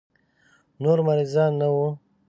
نور مريضان نه وو.